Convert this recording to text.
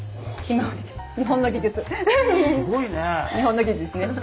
日本の技術ですね。